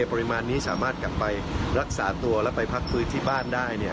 ปริมาณนี้สามารถกลับไปรักษาตัวแล้วไปพักฟื้นที่บ้านได้เนี่ย